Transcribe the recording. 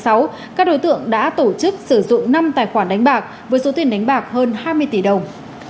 các đối tượng đã tổ chức sử dụng năm tài khoản đánh bạc với số tiền đánh bạc hơn hai mươi tỷ đồng